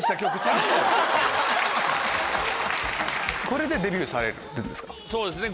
これでデビューされるんですか？